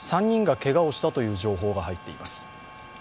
３人がけがをしたという情報が入っています。